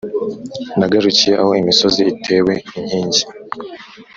nagarukiye aho imisozi itewe inkingi,